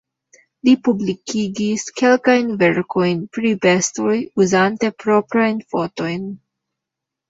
Li publikigis kelkajn verkojn pri bestoj uzante proprajn fotojn.